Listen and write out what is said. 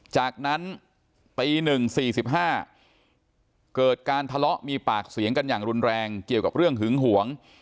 จากนั้นตี๑๔๕เกิดการทะเลาะมีปากเสียงกันอย่างรุนแรงเกี่ยวกับเรื่องหึงหวง